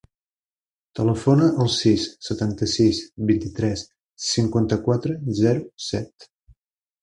Telefona al sis, setanta-sis, vint-i-tres, cinquanta-quatre, zero, set.